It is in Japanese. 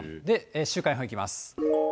週間予報いきます。